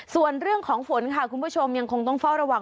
ส่วนเรื่องของฝนค่ะคุณผู้ชมยังคงต้องเฝ้าระวัง